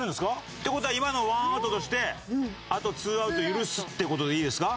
って事は今のを１アウトとしてあと２アウト許すって事でいいですか？